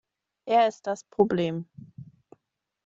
Er ist das Problem.